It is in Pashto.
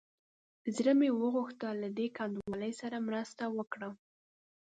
زړه مې وغوښتل له دې کنډوالې سره مرسته وکړم.